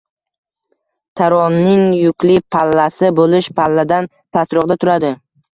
Taroning yukli pallasi bo’sh palladan pastroqda turadi.